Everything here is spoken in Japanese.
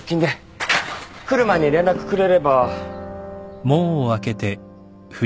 来る前に連絡くれれば。